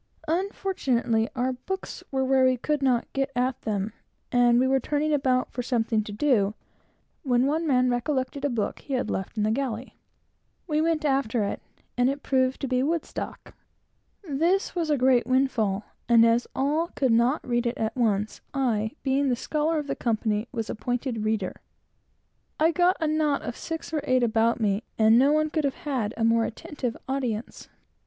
Unfortunately, our books were where we could not get at them, and we were turning about for something to do, when one man recollected a book he had left in the galley. He went after it, and it proved to be Woodstock. This was a great windfall, and as all could not read it at once, I, being the scholar of the company, was appointed reader. I got a knot of six or eight about me, and no one could have had a more attentive audience.